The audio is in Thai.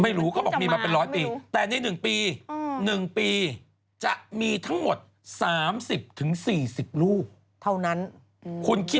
ไม่รู้เขาบอกมีมาเป็นร้อยปีแต่ในหนึ่งปีจะมีทั้งหมดสามสิบถึงสี่สิบลูกเท่านั้นคุณคิดดู